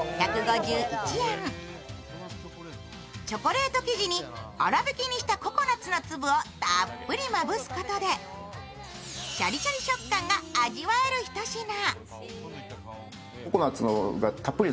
チョコレート生地に粗びきにしたココナツの粒をたっぷりまぶすことでシャリシャリ食感が味わえるひと品。